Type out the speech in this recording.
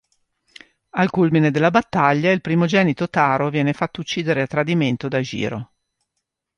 Al culmine della battaglia, il primogenito Taro viene fatto uccidere a tradimento da Jiro.